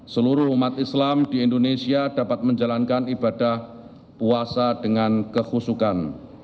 seluruh umat islam di indonesia dapat menjalankan ibadah puasa dengan kehusukan